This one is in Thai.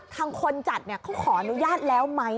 คนจัดเขาขออนุญาตแล้วไหม